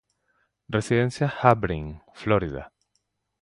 Res., Harbin; Fl.